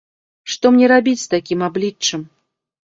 Што мне рабіць з такім абліччам?